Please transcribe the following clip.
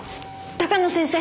鷹野先生！